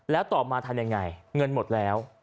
แล้วต่อมาทำยังไงเงินหมดแล้ว